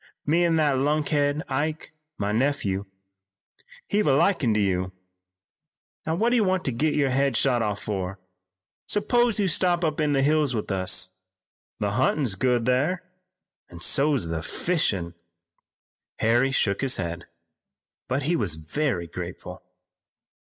Me an' that lunkhead Ike, my nephew, hev took a likin' to you. Now, what do you want to git your head shot off fur? S'pose you stop up in the hills with us. The huntin's good thar, an' so's the fishin'." Harry shook his head, but he was very grateful.